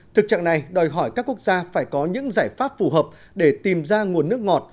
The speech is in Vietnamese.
thực trạng này đòi hỏi các quốc gia phải có những giải pháp phù hợp để tìm ra nguồn nước ngọt